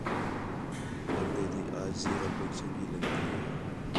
بندے تی عاجزی ربّیک چنڳی لڳدی ہِے